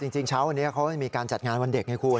จริงเช้าวันนี้เขามีการจัดงานวันเด็กไงคุณ